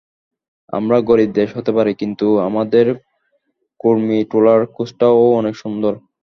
আমরা গরিব দেশ হতে পারি, কিন্তু আমাদের কুর্মিটোলার কোর্সটাও অনেক সুন্দর।